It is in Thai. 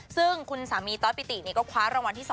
ซึ่งคุณสามีต้อยปิติก็คว้ารางวัลที่๒